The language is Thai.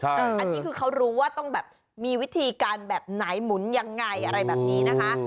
อันนี้คือเขารู้ว่าต้องแบบมีวิธีการแบบไหนหมุนยังไงอะไรแบบนี้นะคะ